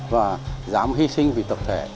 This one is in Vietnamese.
và dám hy sinh vì tập thể